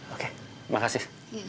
oke terima kasih